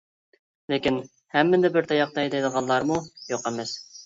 لېكىن ھەممىنى بىر تاياقتا ھەيدەيدىغانلارمۇ يوق ئەمەس.